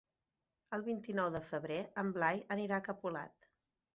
El vint-i-nou de febrer en Blai anirà a Capolat.